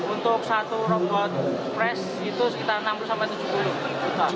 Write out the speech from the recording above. untuk satu robot press itu sekitar enam puluh tujuh puluh juta